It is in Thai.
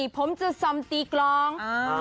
ผมจะซ่อมตีกลอง